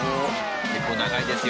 結構長いですよ。